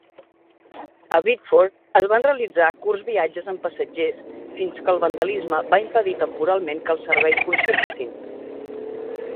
A Bideford es van realitzar curts viatges amb passatgers fins que el vandalisme va impedir temporalment que els serveis funcionessin.